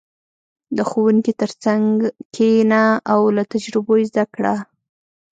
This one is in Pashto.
• د ښوونکي تر څنګ کښېنه او له تجربو یې زده کړه.